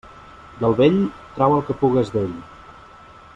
Del vell, trau el que pugues d'ell.